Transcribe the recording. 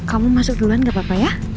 kamu masuk duluan gak apa apa ya